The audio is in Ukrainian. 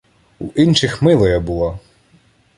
У инчих милая була.